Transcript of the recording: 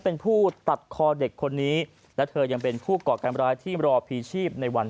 เป็นผู้ตัดคอเด็กคนนี้และเธอยังเป็นผู้ก่อการร้ายที่รอพีชีพในวัน